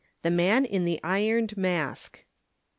THE MAN IN THE IRONED MASK.